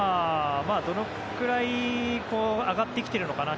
どのくらい上がってきているのかなと。